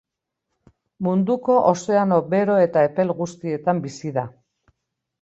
Munduko ozeano bero eta epel guztietan bizi da.